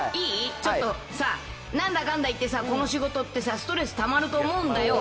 ちょっとさ、なんだかんだいってさ、この仕事ってさ、ストレスたまると思うんだよ。